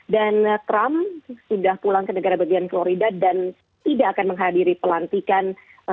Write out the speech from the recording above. dan trump sudah pulang ke negara bagian florida dan tidak akan menghadiri pelantikan